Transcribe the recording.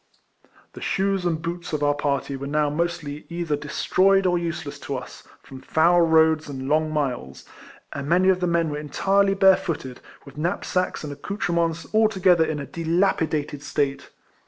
The shoes and boots of our parry were now mostly either destroyed or useless to us. from foul roads and long miles, and many of the men were entirely barefooted, with knap sacks and accoutrements altogether in a dilapidated state.